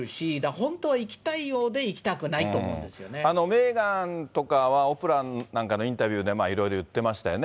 本当は行きたいようで、メーガンとかは、オプラなんかのインタビューでもいろいろ言ってましたよね。